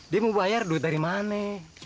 dia mau bayar duit dari mana